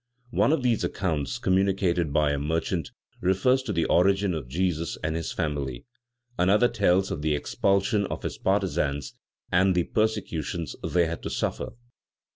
One of these accounts, communicated by a merchant, refers to the origin of Jesus and his family; another tells of the expulsion of his partisans and the persecutions they had to suffer.